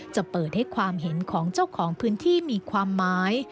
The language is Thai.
จะเปิดให้ความเห็นของเจ้าของพื้นที่มีความหมาย